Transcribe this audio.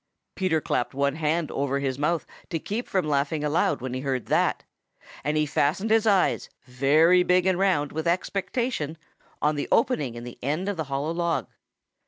Peter clapped one hand over his mouth to keep from laughing aloud when he heard that, and he fastened his eyes, very big and round with expectation, on the opening in the end of the hollow log.